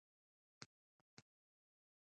دا بشري هویت او مظلومیت زموږ برخه کېدای شي.